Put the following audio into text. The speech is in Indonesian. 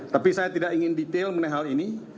tapi saya tidak ingin detail mengenai hal ini